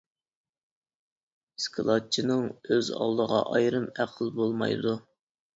ئىسكىلاتچىنىڭ ئۆز ئالدىغا ئايرىم ئەقلى بولمايدۇ.